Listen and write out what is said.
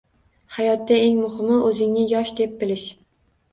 Hayotda eng muhimi o’zingni yosh deb bilish.